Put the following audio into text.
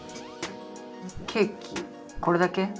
ケーキこれだけ？